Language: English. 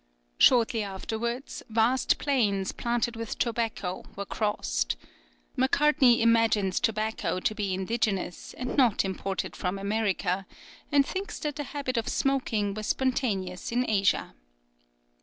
Shortly afterwards, vast plains, planted with tobacco, were crossed. Macartney imagines tobacco to be indigenous, and not imported from America, and thinks that the habit of smoking was spontaneous in Asia.